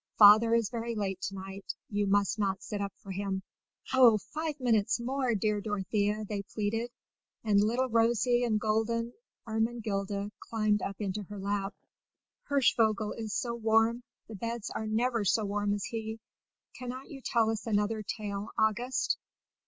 "Father is very late to night; you must not sit up for him." "Oh, five minutes more, dear Dorothea!" they pleaded; and little rosy and golden Ermengilda climbed up into her lap. "Hirschvogel is so warm, the beds are never so warm as he. Cannot you tell us another tale, August?"